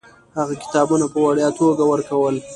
هغه کتابونه په وړیا توګه ورکول.